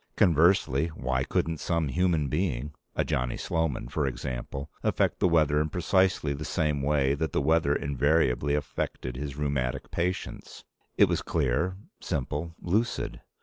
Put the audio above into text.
Conversely, why couldn't some human being a Johnny Sloman, for example affect the weather in precisely the same way that the weather invariably affected his rheumatic patients? It was clear, simple, lucid.